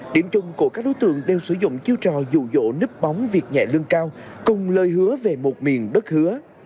điểm chung của các đối tượng đều sử dụng chiêu trò dụ dỗ nếp bóng việc nhẹ lương cao cùng lời hứa về một miền đất hứa